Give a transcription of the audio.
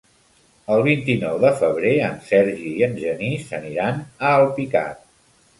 El vint-i-nou de febrer en Sergi i en Genís aniran a Alpicat.